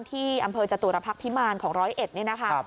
ที่อำเภอจตุรพักษ์พิมารของ๑๐๑นี่นะคะ